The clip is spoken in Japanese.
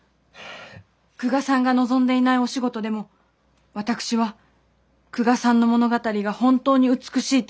久我さんが望んでいないお仕事でも私は久我さんの物語が本当に美しいと思っていますから。